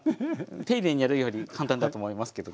丁寧にやるより簡単だと思いますけど。